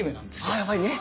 あやっぱりね。